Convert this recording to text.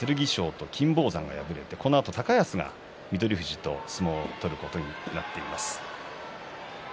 剣翔と金峰山が敗れてこのあと高安は翠富士と相撲を取ることになっています。